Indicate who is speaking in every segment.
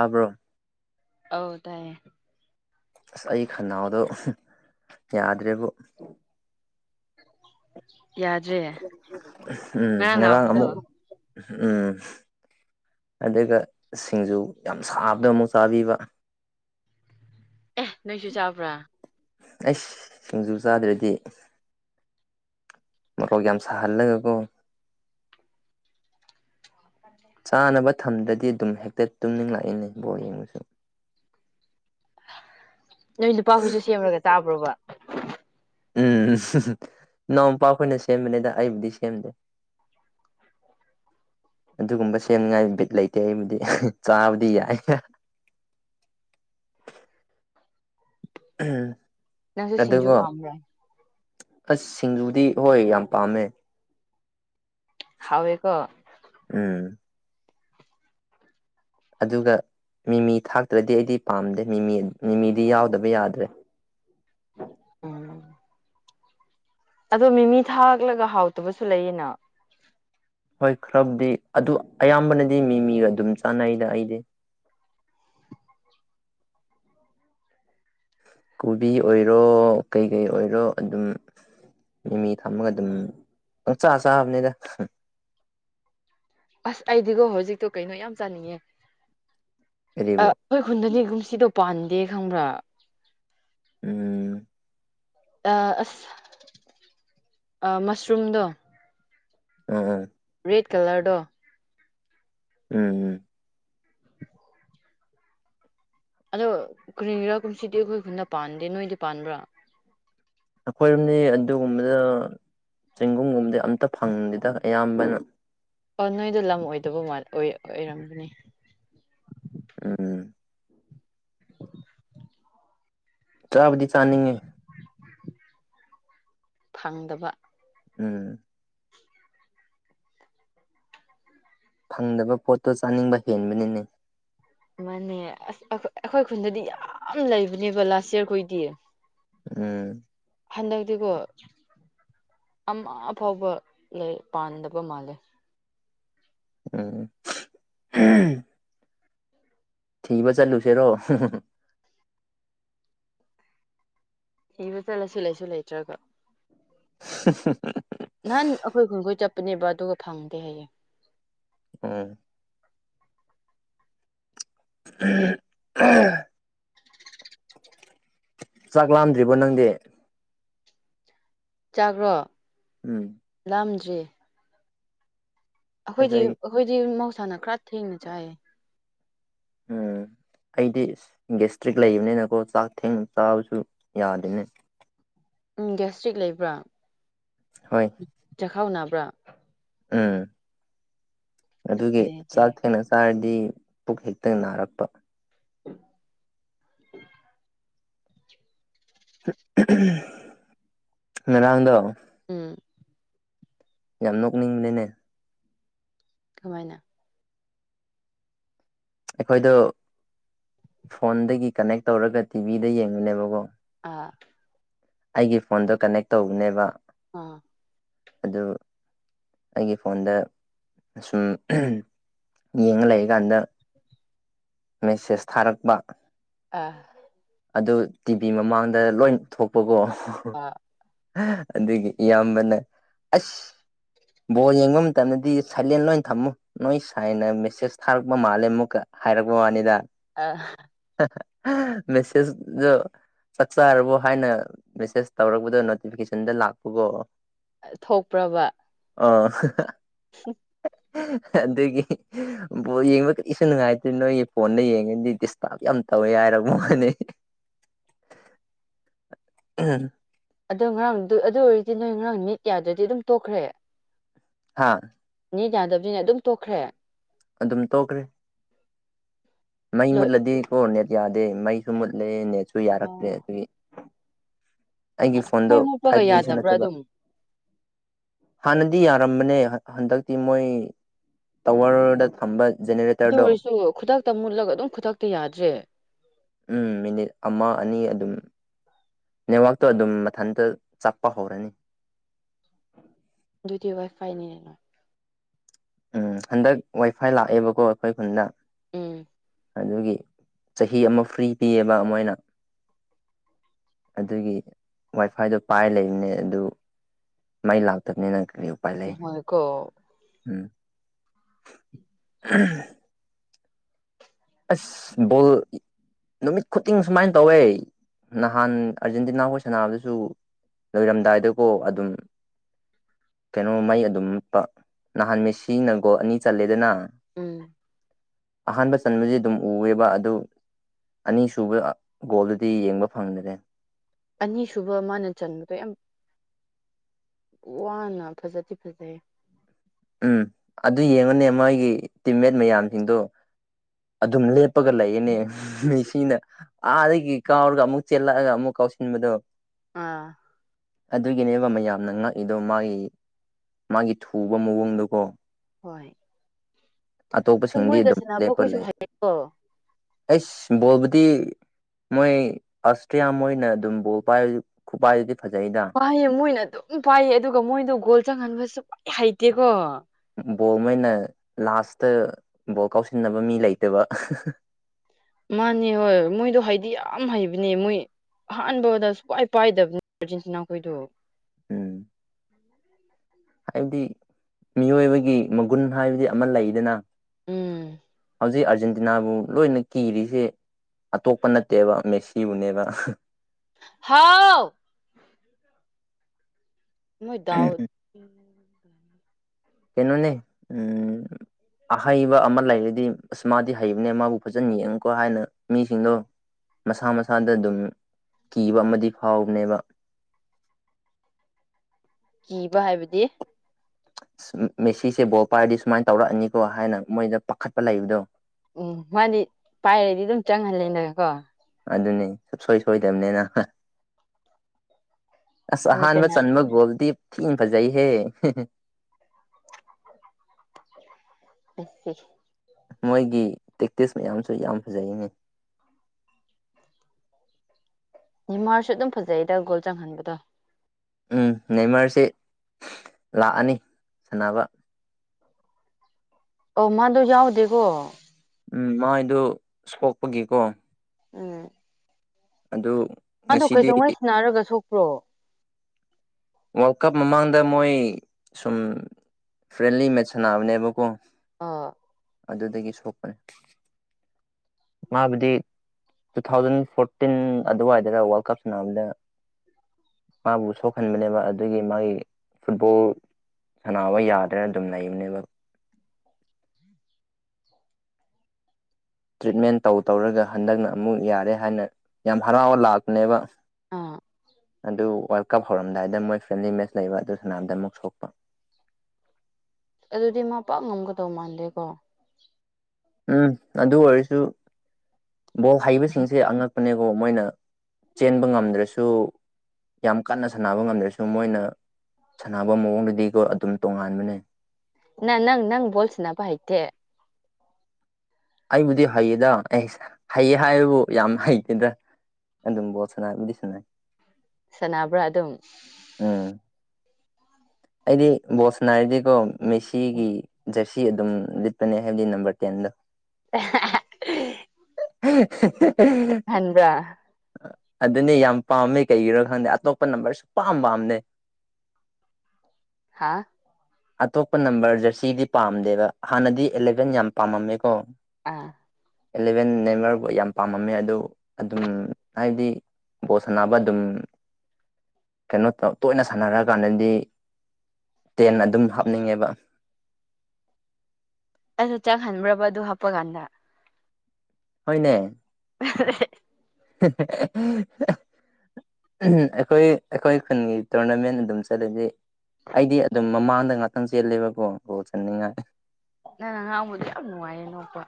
Speaker 1: ꯥꯕ꯭ꯔꯣꯝ
Speaker 2: ꯑꯧ ꯇꯥꯏꯌꯦ
Speaker 1: ꯑꯁ ꯑꯩ ꯈꯅꯥꯎꯗꯣ ꯌꯥꯗ꯭ꯔꯦꯕꯨ
Speaker 2: ꯎꯝ
Speaker 1: ꯎꯝ ꯉꯔꯥꯡ ꯑꯃꯛ ꯎꯝ ꯑꯗꯨꯒ ꯁꯤꯡꯖꯨ ꯌꯥꯝ ꯁꯥꯕꯗ ꯑꯃꯨꯛ ꯆꯥꯕꯤꯕ
Speaker 2: ꯑꯦ ꯅꯣꯏꯁꯨ ꯆꯥꯕ꯭ꯔꯥ
Speaker 1: ꯑꯩꯁ ꯁꯤꯡꯖꯨ ꯆꯥꯗ꯭ꯔꯗꯤ ꯃꯔꯣꯛ ꯌꯥꯝ ꯁꯥꯍꯜꯂꯒꯀꯣ ꯆꯅ ꯊꯝꯗꯗꯤ ꯑꯗꯨꯝ ꯍꯦꯛꯇ ꯇꯨꯝꯅꯤꯡꯂꯛꯏꯅꯦ ꯕꯣꯜ ꯌꯦꯡꯕꯁꯨ
Speaker 2: ꯅꯣꯏ ꯅꯨꯄꯥꯈꯣꯏꯁꯨ ꯁꯦꯝꯂꯒ ꯇꯥꯕ꯭ꯔꯣꯕ
Speaker 1: ꯎꯝ ꯏꯅꯥꯎꯄꯥ ꯑꯩꯈꯣꯏꯅ ꯁꯦꯝꯕꯅꯤꯗ ꯑꯩꯕꯨꯗꯤ ꯁꯦꯝꯗꯦ ꯑꯗꯨꯒꯨꯝꯕ ꯁꯦꯝꯅꯤꯉꯥꯏ ꯕꯤꯠ ꯂꯩꯇꯦ ꯑꯩꯕꯨꯗꯤ ꯆꯥꯕꯨꯗꯤ ꯌꯥꯏ ꯎꯝ
Speaker 2: ꯅꯪꯁꯨ ꯁꯤꯁꯤꯡꯖꯨ ꯄꯝꯔꯦ
Speaker 1: ꯑꯁ ꯁꯤꯡꯖꯨꯗꯤ ꯍꯣꯏ ꯌꯥꯝ ꯄꯥꯝꯃꯦ
Speaker 2: ꯍꯋꯦ ꯀꯣ
Speaker 1: ꯎꯝ ꯑꯗꯨꯒ ꯃꯤꯃꯤ ꯊꯥꯛꯇ꯭ꯔꯗꯤ ꯑꯩꯗꯤ ꯄꯥꯝꯗꯦ ꯃꯤꯃꯤ ꯃꯤꯃꯤꯗꯤ ꯌꯥꯎꯗꯕ ꯌꯥꯗ꯭ꯔꯦ
Speaker 2: ꯎꯝ ꯑꯗꯣ ꯃꯤꯃꯤ ꯊꯥꯛꯂꯒ ꯍꯥꯎꯇꯕꯁꯨ ꯂꯩꯌꯦꯅ
Speaker 1: ꯍꯣꯏ ꯈꯔꯕꯨꯗꯤ ꯑꯗꯨ ꯑꯌꯥꯝꯕꯅꯗꯤ ꯃꯤ ꯃꯤꯒ ꯑꯗꯨꯝ ꯆꯥꯟꯅꯩꯗ ꯑꯩꯗꯤ ꯀꯣꯕꯤ ꯑꯣꯏꯔꯣ ꯀꯩꯀꯩ ꯑꯣꯏꯔꯣ ꯑꯗꯨꯝ ꯃꯤ ꯃꯤ ꯊꯝꯃꯒ ꯑꯗꯨꯝꯪ ꯆꯥ ꯆꯥꯕꯅꯤꯗ
Speaker 2: ꯑꯁ ꯑꯩꯗꯤꯒꯣ ꯍꯧꯖꯤꯛꯇꯣ ꯀꯩꯅꯣ ꯌꯥꯝ ꯆꯥꯅꯤꯡꯉꯦ
Speaker 1: ꯀꯔꯤꯕꯨ
Speaker 2: ꯑ ꯑꯩꯈꯣꯏ ꯈꯨꯟꯗꯅꯤꯒꯨꯝꯁꯤꯗ ꯄꯥꯟꯗꯦ ꯈꯪꯕ꯭ꯔꯥ
Speaker 1: ꯎꯝ
Speaker 2: ꯑꯁ ꯃꯁꯔꯨꯝꯗꯣ
Speaker 1: ꯑꯣ ꯑꯣ
Speaker 2: ꯋꯦꯠ ꯀꯂꯔꯗꯣ
Speaker 1: ꯎꯝ ꯎꯝ
Speaker 2: ꯑꯗꯣ ꯀꯨꯅꯒꯤꯔꯥ ꯀꯨꯝꯁꯤꯗꯤ ꯑꯩꯈꯣꯏ ꯈꯨꯟꯗ ꯄꯥꯟꯗꯦ ꯅꯣꯏꯗꯤ ꯄꯥꯟꯕ꯭ꯔꯥ
Speaker 1: ꯑꯩꯈꯣꯏꯔꯝꯗꯤ ꯑꯗꯨꯒꯨꯝꯕꯗ ꯆꯦꯡꯒꯨꯝꯒꯨꯝꯕꯗꯤ ꯑꯝꯇ ꯐꯪꯗꯦꯗ ꯑꯌꯥꯝꯕꯅ
Speaker 2: ꯑꯣ ꯅꯣꯏꯗꯣ ꯂꯝ ꯑꯣꯏꯗꯕ ꯑꯣꯏꯔꯝꯕꯅꯤ
Speaker 1: ꯎꯝ ꯆꯥꯕꯗꯤ ꯆꯥꯅꯤꯡꯉꯦ
Speaker 2: ꯐꯪꯗꯕ
Speaker 1: ꯎꯝ ꯐꯪꯗꯕ ꯄꯣꯠꯇꯣ ꯆꯥꯅꯤꯡꯕ ꯍꯦꯟꯕꯅꯤꯅ
Speaker 2: ꯃꯥꯅꯦ ꯑꯁ ꯑꯩꯈꯣꯏ ꯈꯨꯟꯗꯗꯤ ꯌꯥꯝ ꯂꯩꯕꯅꯦꯕ ꯂꯥꯁ ꯏꯌꯥꯔꯈꯨꯏꯗꯤ
Speaker 1: ꯎꯝ
Speaker 2: ꯍꯟꯗꯛꯇꯤꯀꯣ ꯑꯃ ꯐꯥꯎꯕ ꯂꯩ ꯄꯥꯟꯗꯕ ꯃꯥꯜꯂꯦ
Speaker 1: ꯎ ꯊꯤꯕ ꯆꯜꯂꯨꯁꯦꯔꯣ
Speaker 2: ꯍꯕ ꯆꯠꯂꯁꯨ ꯂꯩꯁꯨ ꯂꯩꯇ꯭ꯔꯒ ꯅꯍꯥꯟ ꯑꯩꯈꯣꯏ ꯈꯣꯡꯒꯣꯏ ꯆꯞ ꯅꯦꯕ ꯑꯗꯨꯒ ꯐꯪꯗꯦ ꯍꯌꯦꯌꯦꯡ
Speaker 1: ꯎꯝ ꯎꯝ ꯆꯥꯛ ꯂꯥꯝꯗ꯭ꯔꯤꯕꯣ ꯅꯪꯗꯤ
Speaker 2: ꯆꯥꯒ꯭ꯔꯣ
Speaker 1: ꯎꯝ
Speaker 2: ꯂꯝꯖꯔꯤ [inaudible]
Speaker 1: ꯑꯁ
Speaker 2: ꯑꯩꯈꯣꯏꯗꯤ
Speaker 1: ꯑꯩ
Speaker 2: ꯑꯩꯈꯣꯏꯗꯤ ꯁꯥꯟꯅ ꯈꯔ ꯊꯦꯡꯅ ꯆꯥꯏꯑꯌꯦ
Speaker 1: ꯎꯝ ꯑꯩꯗꯤ ꯒꯦꯁꯇ꯭ꯔꯤꯛ ꯂꯩꯕꯅꯤꯅꯀꯣ ꯆꯥꯛ ꯊꯦꯡ ꯆꯥꯕꯁꯨ ꯌꯥꯗꯦꯅꯦ
Speaker 2: ꯎꯝ ꯒꯦꯁꯇ꯭ꯔꯤꯛ ꯂꯩꯕ꯭ꯔꯥ
Speaker 1: ꯍꯣꯏ
Speaker 2: ꯈꯥꯎꯅꯕ꯭ꯔꯥ
Speaker 1: ꯎꯝ ꯑꯗꯨꯒꯤ
Speaker 2: ꯂꯩꯌꯦ
Speaker 1: ꯆꯥꯛ ꯊꯦꯡꯅ ꯆꯥꯔꯗꯤ ꯄꯨꯛ ꯍꯦꯛꯇ ꯅꯥꯔꯛꯄ
Speaker 2: [inaudible]
Speaker 1: ꯃꯗꯥꯝꯗ
Speaker 2: ꯎꯝ
Speaker 1: ꯌꯥꯝ ꯅꯣꯛꯅꯤꯡꯕꯅꯤꯅꯦ
Speaker 2: ꯀꯃꯥꯏꯅ
Speaker 1: ꯑꯩꯈꯣꯏꯗꯣ ꯐꯣꯟꯗꯒꯤ ꯀꯅꯦꯛ ꯇꯧꯔꯒ ꯇꯤꯚꯤꯗ ꯌꯦꯡꯉꯨꯅꯦꯕꯀꯣ
Speaker 2: [inaudible]
Speaker 1: ꯑꯩꯒꯤ ꯐꯣꯟꯗꯣ ꯀꯅꯦꯛ ꯇꯧꯕꯅꯦꯕ
Speaker 2: ꯑꯥ
Speaker 1: ꯑꯗꯨ ꯑꯩꯒꯤ ꯐꯣꯟꯗ ꯑꯁꯨꯝ ꯌꯦꯡꯉ ꯂꯩꯀꯥꯟꯗ ꯃꯦꯁꯦꯖ ꯊꯥꯔꯛꯄ
Speaker 2: ꯑ
Speaker 1: ꯑꯗꯨ ꯇꯤꯚꯤ ꯃꯃꯥꯡꯗ ꯂꯣꯏ ꯊꯣꯛꯄꯀꯣ
Speaker 2: ꯑꯥ
Speaker 1: [inaudible] ꯑꯗꯨꯗꯒꯤ ꯏꯌꯥꯝꯕꯅ ꯑꯁ ꯕꯣꯜ ꯌꯦꯡꯕ ꯃꯇꯝꯗꯗꯤ ꯁꯥꯏꯂꯦꯟꯣꯏ ꯊꯝꯃꯨ ꯅꯣꯏ ꯁꯥꯏꯅ ꯃꯦꯁꯦꯁ ꯊꯥꯔꯛꯄ ꯃꯥꯜꯂꯦ ꯑꯃꯨꯛꯀ ꯍꯥꯏꯔꯛꯄ ꯃꯥꯅꯤꯗ
Speaker 2: [inaudible]
Speaker 1: ꯃꯦꯁꯦꯖꯗ ꯆꯞ ꯆꯥꯔꯕꯣ ꯍꯥꯏꯅ ꯃꯦꯁꯦꯖ ꯇꯧꯔꯛꯄꯗꯣ ꯅꯣꯇꯤꯐꯤꯀꯦꯁꯟꯗ ꯂꯥꯛꯄꯀꯣ
Speaker 2: ꯊꯣꯛꯄ꯭ꯔꯕ
Speaker 1: [unintelligible]
Speaker 2: ꯎꯝ
Speaker 1: ꯑꯗꯨꯒꯤ ꯌꯦꯡꯕ ꯀꯔꯤꯁꯨ ꯅꯨꯡꯉꯥꯏꯇ꯭ꯦ ꯅꯣꯏꯒꯤ ꯐꯣꯟꯗ ꯌꯦꯡꯉꯗꯤ ꯄ ꯌꯥꯝ ꯇꯧꯋꯦ ꯍꯥꯏꯔꯒ ꯃꯅꯤ ꯎꯝ
Speaker 2: ꯑꯗꯣ ꯉꯔꯥꯡꯗ ꯑꯗꯨ ꯑꯣꯏꯔꯗꯤ ꯅꯣꯏ ꯉꯔꯥꯡ ꯃꯤꯅꯤꯠ ꯌꯥꯗ꯭ꯔꯗꯤ ꯑꯗꯨꯝ ꯇꯣꯛꯈ꯭ꯔꯦ
Speaker 1: ꯍꯥꯥ
Speaker 2: ꯅꯤ ꯌꯥꯗꯕꯖꯤꯅꯦ ꯑꯗꯨꯝ ꯇꯣꯛꯈ꯭ꯔꯦ
Speaker 1: ꯑꯗꯨꯝ ꯇꯣꯛꯈ꯭ꯔꯦ ꯃ
Speaker 2: ꯂꯣꯏ
Speaker 1: ꯃꯠꯂꯗꯤ ꯀꯣ ꯅ ꯌꯥꯗꯦ ꯃꯩꯁꯨ ꯃꯨꯠꯂꯦ ꯅ ꯁꯨ ꯌꯥꯔꯛꯇ꯭ꯔꯦ
Speaker 2: ꯑꯣ
Speaker 1: ꯑꯗꯨꯗꯤ ꯑꯩꯒꯤ ꯐꯣꯟꯗ
Speaker 2: ꯍꯣꯏ ꯃꯨꯠꯄꯒ
Speaker 1: ꯐꯥꯏꯚ ꯖꯤꯁꯨ
Speaker 2: ꯌꯥꯗꯕ꯭ꯔꯥ
Speaker 1: ꯅꯠꯇꯦꯕ
Speaker 2: ꯑꯗꯨꯝ
Speaker 1: ꯍꯥꯟꯅꯗꯤ ꯌꯥꯔꯝꯕꯅꯦ ꯍꯟꯗꯛꯇꯤ ꯃꯣꯏ ꯇꯋꯔꯗ ꯊꯝꯕ
Speaker 2: ꯑꯗꯨ
Speaker 1: ꯖꯦꯅꯦꯔꯦꯇꯔꯗꯣ
Speaker 2: ꯑꯣꯏꯔꯁꯨ ꯈꯨꯗꯛꯇ ꯃꯨꯠꯂꯒ ꯑꯗꯨꯝ ꯈꯨꯗꯛꯇ ꯌꯥꯗ꯭ꯔꯦ
Speaker 1: ꯎꯝ ꯅꯦꯠꯋꯥꯛꯛꯇꯣ ꯑꯗꯨꯝ ꯃꯊꯟꯇ ꯆꯞꯄ ꯍꯧꯔꯅꯤ
Speaker 2: ꯋꯥ ꯐꯥꯏꯅꯤꯅꯦꯅ
Speaker 1: ꯎꯝ ꯍꯟꯗꯛ ꯋꯥꯏꯐꯥꯏ ꯂꯥꯛꯑꯦꯕꯀꯣ ꯑꯩꯈꯣꯏ ꯈꯨꯟꯗ
Speaker 2: ꯎꯝ
Speaker 1: ꯑꯗꯨꯒꯤ ꯆꯍꯤ ꯑꯃ ꯐ꯭ꯔꯤ ꯄꯤꯌꯦꯕ ꯃꯣꯏꯅ ꯑꯗꯨꯒꯤ ꯋꯥꯏꯐꯥꯏꯗꯣ ꯄꯥꯏꯔ ꯂꯩꯕꯅꯦ ꯑꯗꯨ ꯃꯩ ꯂꯥꯛꯇꯕꯅꯤꯅ ꯀꯔꯤ ꯎꯄꯥꯏ ꯂꯩ
Speaker 2: ꯍꯣꯏꯀꯣ
Speaker 1: ꯎꯝ ꯎꯔ ꯑꯁ ꯕꯣꯜ ꯅꯨꯃꯤꯠ ꯈꯨꯗꯤꯡ ꯁꯨꯃꯥꯏꯅ ꯇꯧꯋꯦ ꯅꯍꯥꯟ ꯑꯥꯔꯖꯦꯟꯇꯤꯅꯥꯈꯣꯏ ꯁꯥꯟꯅꯕꯗꯁꯨ ꯂꯣꯏꯔꯝꯗꯥꯏꯗꯀꯣ ꯑꯗꯨꯝ ꯀꯩꯅꯣꯃꯩ ꯑꯗꯨꯝ ꯅꯍꯥꯟ ꯃꯦꯁꯤꯅ ꯒꯣꯜ ꯑꯅꯤ ꯆꯜꯂꯦꯗꯅ
Speaker 2: ꯎꯝ
Speaker 1: ꯑꯍꯥꯟꯕꯗ ꯆꯟꯁ ꯑꯗꯨꯝ ꯎꯑꯦꯕ ꯑꯗꯨ ꯑꯅꯤꯁꯨꯨꯕ ꯒꯣꯜꯗꯨꯗꯤ ꯌꯦꯡꯕ ꯐꯪꯗ꯭ꯔꯦ
Speaker 2: ꯑꯅꯤ ꯁꯕ ꯃꯥꯅ ꯆꯟꯕꯗꯣ ꯌꯥꯝ ꯋꯥꯅꯥ ꯐꯖꯗꯤ ꯐꯖꯩꯦ
Speaker 1: ꯎꯝ ꯑꯗꯨ ꯌꯦꯡꯉꯅꯦ ꯃꯣꯏꯒꯤ ꯇꯤꯝꯃꯦꯠ ꯃꯌꯥꯝꯁꯤꯡꯗꯨꯣ ꯑꯗꯨꯝ ꯂꯦꯞ ꯀꯄꯒ ꯂꯩꯌꯦꯦꯅꯦ ꯃꯤꯁꯤꯡꯅ ꯑꯥꯗꯒꯤ ꯀꯥꯎꯔꯒ ꯑꯃꯨꯛ ꯆꯦꯜꯂꯛꯑꯒ ꯑꯃꯨꯛ ꯀꯥꯎꯁꯤꯟꯕꯗꯣ
Speaker 2: ꯑꯥ
Speaker 1: ꯑꯗꯨꯒꯤꯅꯦꯕ ꯃꯌꯥꯝꯅ ꯉꯛꯏꯗꯣ ꯃꯥꯒꯤ ꯃꯥꯒꯤ ꯊꯨꯕ ꯃꯑꯣꯡꯗꯨꯀꯣ
Speaker 2: ꯍꯣꯏ
Speaker 1: ꯑꯇꯣꯞꯄꯁꯤꯡꯗꯤ ꯑꯗꯨꯝ ꯂꯦꯞ
Speaker 2: ꯀꯣꯏꯁꯨ ꯍꯥꯏꯣ
Speaker 1: ꯑꯩꯁ ꯕꯣꯜꯕꯨꯗꯤ ꯃꯣꯏ ꯑꯁꯇꯔꯤꯂꯤꯌꯥ ꯃꯣꯏ ꯑꯣꯏꯅ ꯑꯗꯨꯝ ꯕꯣꯜ ꯄꯥꯏ ꯈꯨꯥꯏ
Speaker 2: ꯄꯥꯏꯌꯦ ꯃꯣꯏꯅ ꯑꯗꯨꯝ ꯄꯥꯏꯌꯦ ꯑꯗꯨꯒ ꯃꯣꯏꯗ ꯒꯣꯜ ꯆꯪꯍꯟꯕꯁꯨ ꯍꯥꯏꯩꯇꯦꯀꯣ
Speaker 1: ꯕꯣꯜꯉꯩꯅ ꯂꯥꯁꯇ ꯕꯣꯜ ꯀꯥꯎꯁꯤꯟꯅꯕ ꯃꯤ ꯂꯩꯇꯕ
Speaker 2: ꯃꯥꯅꯦ ꯍꯣꯏ ꯃꯣꯏꯗꯣ ꯍꯩꯗꯤ ꯌꯥꯝ ꯍꯩꯕꯅꯦ ꯃꯣꯏ ꯑꯍꯥꯟꯕꯗ ꯁꯨꯄꯥꯏ ꯄꯥꯏꯗꯕꯅꯦ ꯑꯥꯔꯖꯦꯟꯇꯤꯅꯥꯈꯣꯏꯗꯣ
Speaker 1: ꯎꯝ ꯍꯥꯏꯕꯗꯤ ꯃꯤꯑꯣꯏꯕꯒꯤ ꯃꯒꯨꯟ ꯍꯥꯏꯕꯗꯤ ꯑꯃ ꯂꯩꯗꯅ
Speaker 2: ꯎꯝ
Speaker 1: ꯍꯧꯖꯤꯛ ꯑꯥꯔꯖꯦꯟꯇꯤꯅꯥꯕꯨ ꯂꯣꯏꯅ ꯀꯤꯔꯤꯁꯤꯦ ꯑ ꯇꯣꯞꯄ ꯅꯠꯇꯦꯕ ꯃꯤꯁ ꯏꯕꯨꯅꯦꯕ
Speaker 2: ꯍꯥꯎ ꯃꯣꯏꯗꯥꯎ ꯎ
Speaker 1: ꯀꯩꯅꯣꯅꯦ ꯎ ꯑꯍꯩꯕ ꯑꯃ ꯂꯩꯔꯗꯤ ꯑꯁ ꯃꯥꯗꯤ ꯍꯩꯕꯅꯦ ꯃꯥꯕꯨ ꯐꯖꯅ ꯌꯦꯡꯉꯨꯀꯣ ꯍꯥꯏꯅ ꯃꯤꯁꯤꯡꯗꯣ ꯃꯁꯥ ꯃꯁꯥꯗ ꯑꯗꯨꯝ ꯀꯤꯕ ꯑꯃꯗꯤ ꯐꯥꯎꯕꯅꯦꯕ
Speaker 2: ꯀꯤꯕ ꯍꯥꯏꯕꯗꯤ
Speaker 1: ꯃꯦꯁꯤꯁꯦ ꯕꯣꯜ ꯄꯥꯏꯔꯗꯤ ꯁꯨꯃꯥꯏꯅ ꯇꯧꯔꯛꯑꯅꯤꯀꯣ ꯍꯥꯏꯅ ꯃꯣꯏꯗ ꯄꯥꯈꯠꯄ ꯂꯩꯕꯗꯣ
Speaker 2: ꯎꯝ ꯃꯥꯗꯤ ꯄꯥꯏꯔꯗꯤ ꯑꯗꯨꯝ ꯆꯪꯍꯜꯂꯦꯅ ꯀꯣ
Speaker 1: ꯑꯗꯨꯅꯤ ꯁꯨꯡꯁꯣꯏ ꯁꯣꯏꯗꯕꯅꯤꯅ ꯑ
Speaker 2: ꯑꯗꯨ
Speaker 1: ꯑꯍꯥꯟ ꯃ
Speaker 2: ꯄꯦꯅꯥꯜꯇꯤ
Speaker 1: ꯆꯟꯃ ꯣꯜꯗꯤ ꯊ ꯐꯖꯥꯏꯍꯦ
Speaker 2: ꯎ
Speaker 1: ꯃꯣꯏꯒꯤ ꯇꯦꯛꯇꯤꯁ ꯃꯌꯥꯝꯁꯨ ꯌꯥꯝ ꯐꯖꯩꯌꯦꯅꯤ
Speaker 2: ꯅꯤꯃꯥꯔꯁꯨ ꯑꯗꯨꯝ ꯐꯖꯩꯌꯦꯗ ꯒꯣꯜ ꯆꯪꯍꯟꯕꯗꯣ
Speaker 1: ꯎꯝ ꯅꯦꯃꯔꯁꯤ ꯂꯥꯛꯑꯅꯤ ꯁꯥꯟꯅꯕ
Speaker 2: ꯑꯣ ꯃꯥꯗꯨ ꯌꯥꯎꯗꯦꯀꯣ
Speaker 1: ꯎꯝ ꯃꯥꯏꯗꯨ ꯁꯣꯛꯄꯒꯤꯀꯣ
Speaker 2: ꯎꯝ
Speaker 1: ꯑꯗꯨ
Speaker 2: ꯃꯥꯗꯣ
Speaker 1: ꯉꯁꯤꯗꯤ
Speaker 2: ꯀꯩꯗꯧ ꯁꯥꯟꯅꯔꯒꯁꯨ ꯄ꯭ꯔꯣ
Speaker 1: ꯋꯥꯔꯜ ꯀꯞ ꯃꯃꯥꯡꯗ ꯃꯣꯏ ꯁꯨꯝ ꯐ꯭ꯔꯦꯟꯂꯤ ꯃꯦꯠꯁ ꯁꯥꯟꯅꯕꯅꯦꯕꯀꯣ
Speaker 2: ꯑꯥ
Speaker 1: ꯑꯗꯨꯗꯒꯤ ꯁꯣꯛꯄꯅꯤ ꯃꯥꯕꯨꯗꯤ ꯇꯨ ꯊꯥꯎꯖꯟ ꯐꯣꯔꯇꯤꯟ ꯑꯗꯨꯋꯥꯏꯗ ꯋꯥꯔꯜ ꯀꯞ ꯁꯥꯟꯅꯕꯗ ꯃꯥꯕꯨ ꯁꯣꯛꯍꯟꯕꯅꯦꯕ ꯑꯗꯨꯒꯤ ꯃꯥꯒꯤ ꯐꯨꯠꯕꯣꯜ ꯁꯥꯟꯅꯕ ꯌꯥꯗꯅ ꯑꯗꯨꯝ ꯂꯩꯕꯅꯦꯕ ꯇ꯭ꯔꯤꯠꯃꯦꯟ ꯇꯧ ꯇꯧꯔꯒ ꯍꯟꯗꯛꯅ ꯑꯃꯨꯛ ꯌꯥꯔꯦ ꯍꯥꯏꯅ ꯌꯥꯝ ꯍꯔꯥꯎꯅ ꯂꯥꯛꯄꯅꯦꯕ
Speaker 2: ꯑꯥ
Speaker 1: ꯑꯗꯨ ꯋꯥꯔꯜ ꯀꯞ ꯍꯧꯔꯝꯗꯥꯏꯗ ꯃꯣꯏ ꯐ꯭ꯔꯦꯂꯤ ꯃꯦꯁ ꯂꯩꯕ ꯑꯗꯨ ꯁꯥꯟꯅꯕꯗ ꯑꯃꯨꯛ ꯁꯣꯛꯄ
Speaker 2: ꯑꯗꯨꯗꯤ ꯃꯥ ꯄꯥꯛ ꯉꯝꯒꯗꯧ ꯃꯥꯟꯗꯦꯀꯣ
Speaker 1: ꯎꯝ ꯑꯗꯨ ꯑꯣꯏꯔꯁꯨ ꯕꯣꯜ ꯍꯩꯕꯁꯤꯡꯁꯦ ꯑꯉꯛ ꯅꯦꯀꯣ ꯃꯣꯏꯅ ꯆꯦꯟꯕ ꯉꯝꯗ꯭ꯔꯁꯨ ꯁꯨ ꯌꯥꯝ ꯀꯟꯅ ꯁꯥꯟꯅꯕ ꯉꯝꯗ꯭ꯔꯁꯨ ꯃꯣꯏꯅ ꯁꯥꯟꯅꯕ ꯃꯑꯣꯡꯗꯗꯤꯀꯣ ꯑꯗꯨꯝ ꯇꯣꯉꯥꯟꯕꯅꯦ
Speaker 2: ꯅ ꯅꯪ ꯅꯪ ꯕꯣꯜ ꯁꯥꯟꯅꯕ ꯍꯩꯇꯦ
Speaker 1: ꯑꯩꯕꯨꯗꯤ ꯍꯩꯌꯦꯗ ꯑꯩꯁ ꯍꯩꯌꯦ ꯍꯥꯏꯕꯨ ꯌꯥꯝ ꯍꯩꯇꯦꯗ ꯑꯗꯨꯝ ꯕꯣꯜ ꯁꯅꯕꯗꯤ ꯁꯅꯩ
Speaker 2: ꯁꯥꯟꯅꯕ꯭ꯔꯥ ꯑꯗꯨꯝ
Speaker 1: ꯎꯝ ꯑꯩꯗꯤ ꯕꯣꯜ ꯁꯥꯟꯅꯔꯗꯤꯀꯣ ꯃꯦꯁꯤꯒꯤ ꯖꯔꯁꯤ ꯁꯤ ꯑꯗꯨꯝ ꯂꯤꯠꯄꯅꯦ ꯍꯥꯏꯕꯗꯤ ꯅꯝꯕꯔ ꯇꯦꯟꯗꯣ
Speaker 2: [unintelligible]
Speaker 1: [unintelligible]
Speaker 2: ꯈꯟꯕ꯭ꯔ
Speaker 1: ꯑꯗꯨꯅꯤ ꯌꯥꯝ ꯄꯥꯝꯃꯦ ꯀꯩꯒꯤꯔ ꯈꯪꯗꯦ ꯑꯇꯣꯞꯄ ꯅꯝꯕꯔꯁꯨ ꯄꯥꯝ ꯄꯥꯝꯅꯦ
Speaker 2: ꯑꯥ
Speaker 1: ꯑꯇꯣꯞꯄ ꯅꯝꯕꯔ ꯖꯔꯁꯤꯗꯤ ꯄꯥꯝꯗꯦꯕ ꯍꯥꯟꯅꯗꯤ ꯑꯦꯂꯚꯦꯟ ꯌꯥꯝ ꯄꯥꯝꯃꯝꯃꯦꯀꯣ
Speaker 2: ꯑꯥ
Speaker 1: ꯑꯦꯂꯚꯦꯟ ꯅꯦꯝꯃꯔꯕꯨ ꯌꯥꯝ ꯄꯥꯝꯃꯝꯃꯦ ꯑꯗꯨ ꯑꯗꯨꯝ ꯍꯥꯏꯗꯤ ꯕꯣꯜ ꯁꯥꯟꯅꯕ ꯗꯨꯝ ꯀꯩꯅꯣ ꯇꯧ ꯇꯣꯏꯅ ꯁꯥꯟꯅꯔꯛ ꯀꯥꯟꯗꯗꯤ ꯇꯦꯟ ꯑꯗꯨꯝ ꯍꯥꯞꯅꯤꯡꯉꯦꯕ
Speaker 2: ꯑꯗꯣ ꯆꯥꯛ ꯍꯟꯕ꯭ꯔꯕ ꯑꯗꯨ ꯍꯥꯞꯄ ꯀꯥꯟꯗ
Speaker 1: ꯍꯣꯏꯅꯦ
Speaker 2: [unintelligible]
Speaker 1: ꯎꯝ ꯍꯨꯝ ꯑꯩꯈꯣꯏ ꯑꯈꯣꯏ ꯈꯨꯟꯒꯤ ꯇꯣꯔꯅꯥꯃꯦꯟ ꯑꯗꯨꯝ ꯆꯠꯂꯗꯤ ꯑꯩꯗꯤ ꯑꯗꯨꯝ ꯃꯃꯥꯡꯗ ꯉꯥꯛꯇꯪ ꯆꯦꯜꯂꯦꯕꯀꯣ ꯒꯣꯜ ꯆꯟꯅꯤꯡꯉꯥꯏ
Speaker 2: ꯅꯪꯅ ꯉꯥꯡꯕꯗꯨ ꯌꯥꯝ ꯅꯨꯡꯉꯥꯏꯌꯦ ꯅꯣꯛꯄꯥ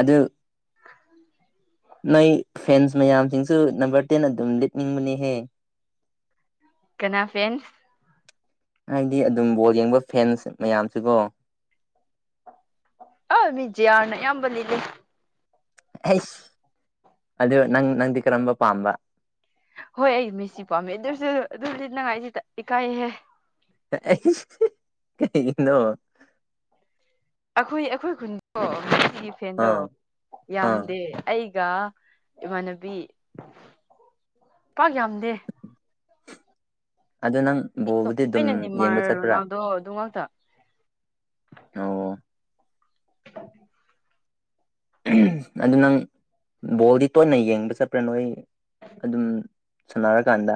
Speaker 1: ꯑꯗꯨ ꯅꯣꯏ ꯐꯦꯟꯁ ꯃꯌꯥꯝꯁꯤꯡꯁꯨ ꯅꯝꯕꯔ ꯇꯦꯟ ꯑꯗꯨꯝ ꯂꯤꯠꯅꯤꯡꯕꯅꯤꯍꯦ
Speaker 2: ꯀꯅꯥ ꯐꯦꯟꯁ
Speaker 1: ꯍꯥꯏꯗꯤ ꯑꯗꯨꯝ ꯕꯣꯜ ꯌꯦꯡꯕ ꯐꯦꯟꯁ ꯃꯌꯥꯝꯁꯤꯀꯣ
Speaker 2: ꯑ ꯃꯤꯖꯌꯥꯅ ꯌꯥꯝꯕꯂꯤꯗꯦ
Speaker 1: ꯑꯩꯁ ꯑꯗꯨ ꯅꯪ ꯅꯪꯗꯤ ꯀꯔꯝꯕ ꯄꯥꯝꯕ
Speaker 2: ꯍꯣꯏ ꯑꯩ ꯃꯦꯁꯤ ꯄꯥꯝꯃꯦ ꯑꯗꯨꯁꯨ ꯑꯗꯨ ꯂꯤꯠꯅꯉꯥꯏꯁꯤ ꯏꯀꯥꯏꯍꯦ
Speaker 1: ꯀꯩ ꯅ
Speaker 2: ꯑꯩꯈꯣꯏ ꯑꯩꯈꯣꯏ ꯈꯨꯟꯗꯣ ꯑꯩꯒꯤ ꯐꯦꯟꯗꯣ
Speaker 1: ꯑꯥ ꯑꯥ
Speaker 2: ꯌꯥꯝꯗꯦ ꯑꯩ ꯏꯃꯥꯟꯅꯕꯤ ꯄꯥꯛ ꯌꯥꯝꯗꯦ
Speaker 1: ꯑꯗ ꯅꯪ ꯕꯣꯕꯨꯗꯤ ꯑꯗꯨꯝ
Speaker 2: ꯑꯩꯅ
Speaker 1: ꯌꯦꯡꯕ
Speaker 2: ꯅꯦꯃꯥꯔ
Speaker 1: ꯆꯠꯄ꯭ꯔꯥ
Speaker 2: ꯔꯣꯅꯥꯜꯗꯣ ꯑꯗꯨ ꯉꯥꯛꯇ
Speaker 1: ꯑꯣ ꯑꯗꯨ ꯅꯪ ꯕꯣꯜꯗꯤ ꯇꯣꯏꯅ ꯌꯦꯡꯕ ꯆꯠꯄ꯭ꯔꯥ ꯅꯣꯏ ꯑꯗꯨꯝ ꯁꯨꯅꯔ ꯀꯥꯟꯗ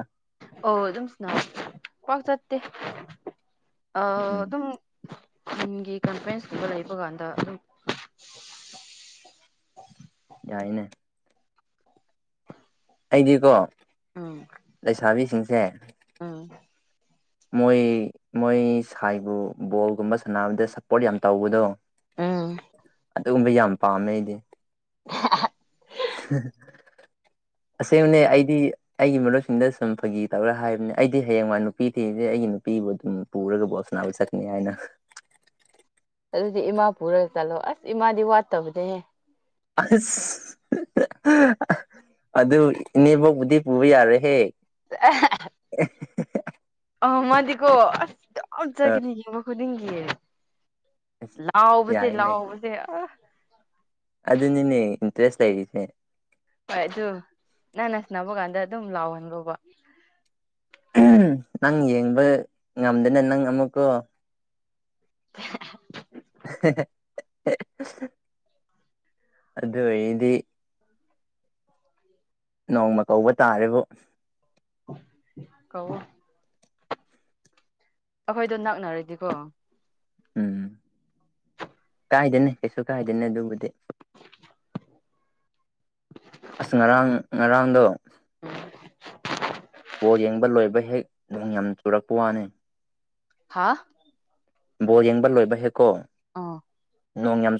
Speaker 2: ꯑꯣ ꯑꯗꯨꯝꯁꯨꯅꯥ ꯀꯥꯛ ꯆꯠꯇ ꯑ
Speaker 1: ꯎꯝ
Speaker 2: ꯑꯗꯨꯝ ꯃꯤꯨꯡꯒꯤ ꯀꯟꯐ꯭ꯔꯦꯟꯁꯇꯨꯗ ꯂꯩꯕ ꯀꯥꯟꯗ ꯑꯗꯨꯝ
Speaker 1: ꯌꯥꯏꯅꯦ ꯑꯩꯗꯤꯀꯣ
Speaker 2: ꯎꯝ
Speaker 1: ꯂꯩꯁꯥꯕꯤꯁꯤꯡ ꯍ
Speaker 2: ꯎꯝ
Speaker 1: ꯃꯣꯏ ꯃꯣꯏ ꯁꯥꯏꯕꯨ ꯕꯣꯜꯒꯨꯝꯕ ꯁꯥꯟꯅꯕꯗ ꯁꯞꯄꯣꯔꯠ ꯌꯥꯝꯅ ꯇꯧꯕꯗꯣ
Speaker 2: ꯑꯥ
Speaker 1: ꯑꯗꯨꯒꯨꯝꯕ ꯌꯥꯝ ꯄꯥꯝꯃꯦ ꯑꯩꯗꯤ ꯍꯝ ꯑꯁꯦꯡꯕꯅꯦ ꯑꯩꯗꯤ ꯑꯩꯒꯤ ꯃꯔꯨꯞꯁꯤꯡꯗ ꯁꯨꯝ ꯐꯥꯒꯤ ꯇꯧꯔꯥ ꯍꯥꯏꯕꯅꯦ ꯑꯩꯗꯤ ꯍꯌꯦꯡꯋꯥ ꯅꯨꯄꯤ ꯊꯤꯁꯦ ꯑꯩꯒꯤ ꯅꯨꯄꯤꯕꯨ ꯑꯗꯨꯝ ꯄꯨꯔꯒꯕꯨꯣꯁꯅꯥꯕ ꯆꯛꯀꯅꯤ ꯍꯥꯏꯅ
Speaker 2: ꯑꯗꯨꯗꯤ ꯏꯃꯥ ꯄꯨꯔꯒ ꯆꯠꯂꯣ ꯑꯁ ꯏꯃꯥꯗꯤ ꯋꯥꯠꯇꯕꯅꯦꯍꯦ
Speaker 1: ꯑꯁ ꯑꯗꯨ ꯏꯅꯦꯕꯧꯕꯨꯗꯤ ꯄꯨꯕ ꯌꯥꯔꯦꯍꯦꯛ
Speaker 2: ꯑꯃꯗꯤ ꯑꯣꯣ ꯑꯁ ꯑꯣ
Speaker 1: ꯑ
Speaker 2: ꯆꯖꯒꯅꯤ ꯌꯕꯈꯣꯏꯗꯤꯡꯦ ꯍ
Speaker 1: ꯑꯁ
Speaker 2: ꯂꯥꯎꯕꯁꯦ
Speaker 1: ꯌꯥꯏꯅꯦ
Speaker 2: ꯂꯥꯎꯕꯁꯦ ꯑ
Speaker 1: ꯑꯗꯨꯅꯤꯅꯦ ꯏꯟꯇꯔꯦꯁ ꯂꯩꯔꯤꯁꯦ
Speaker 2: ꯍꯣꯏ ꯑꯗꯨ ꯅꯟꯅ ꯁꯅꯕ ꯀꯥꯟꯗ ꯑꯗꯨꯝ ꯂꯥꯎꯍꯟꯕꯧꯕ
Speaker 1: ꯅꯪ ꯌꯦꯡꯕ ꯉꯝꯗꯅ ꯅꯪ ꯑꯃꯨꯛꯀꯣ
Speaker 2: [inaudible]
Speaker 1: ꯑꯗꯨꯗ ꯑꯦꯗꯤ ꯅꯣꯡꯃ ꯀꯧꯕ ꯇꯥꯔꯦꯕꯨ
Speaker 2: ꯀꯋꯣ ꯑꯩꯈꯣꯏꯗꯣ ꯅꯛꯅꯔꯗꯤꯀꯣ
Speaker 1: ꯎꯝ ꯀꯥꯏꯗꯅꯦ ꯀꯩꯁꯨ ꯀꯥꯏꯗꯅꯦ ꯑꯗꯨꯕꯨꯗꯤ
Speaker 2: [inaudible]
Speaker 1: ꯑꯁ ꯉꯔꯥꯡ ꯉꯔꯥꯡꯗ ꯕꯣꯜ ꯌꯦꯡꯕ ꯂꯣꯏꯕ ꯍꯦꯛ ꯅꯣꯡ ꯌꯥꯝ ꯆꯨꯔꯛꯄ ꯋꯥꯅꯤ
Speaker 2: ꯍꯥꯥ
Speaker 1: ꯕꯣꯔ ꯌꯦꯡꯕ ꯂꯣꯏꯕ ꯍꯦꯛꯀꯣ
Speaker 2: ꯑꯥ
Speaker 1: ꯅꯣꯡ ꯌꯥꯝ